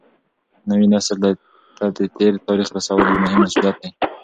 نوي نسل ته د تېر تاریخ رسول یو مهم مسولیت دی.